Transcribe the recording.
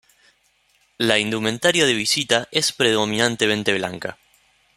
La indumentaria de visita es predominantemente blanca.